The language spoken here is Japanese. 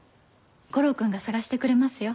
悟郎君が捜してくれますよ。